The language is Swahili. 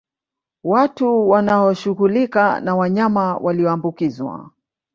Watu wanaoshughulika na wanyama walioambukizwa